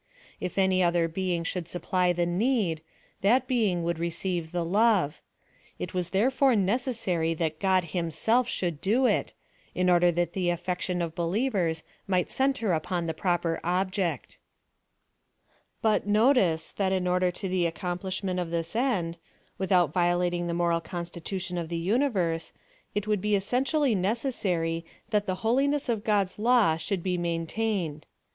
If any other being bhould supply the need^ that being would receive the love ; it was therefore necessary that God him self should do it, in order that the affection of believers might centre upon the proper object. ISS PHILOSOPHY OF THE But, notice, that in order to the accomplishmeni of this end, without violating the moral constitution of the universe, it would be essentially necessary, that the holiness of God's law should be maintain ed.